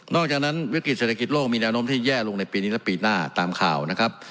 อกจากนั้นวิกฤตเศรษฐกิจโลกมีแนวโน้มที่แย่ลงในปีนี้และปีหน้าตามข่าวนะครับ